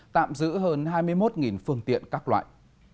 tạm giữ hơn hai mươi một phương tiện các loại